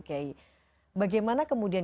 kay bagaimana kemudian